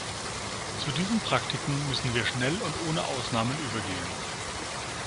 Zu diesen Praktiken müssen wir schnell und ohne Ausnahmen übergehen.